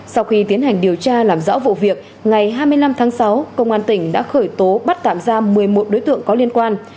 sau khi tiến hành điều tra làm rõ vụ việc ngày hai mươi năm tháng sáu công an tỉnh đã khởi tố bắt tạm ra một mươi một đối tượng có liên quan